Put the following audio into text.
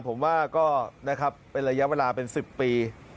ผมว่าก็นะครับเป็นระยะเวลาเป็น๑๐ปี